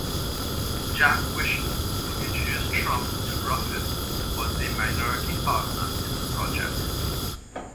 Jack Wishna, who introduced Trump to Ruffin, was a minority partner in the project.